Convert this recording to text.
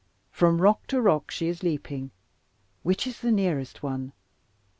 From rock to rock she is leaping; which is the nearest one?